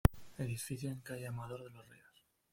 Edificio en calle Amador de los Ríos.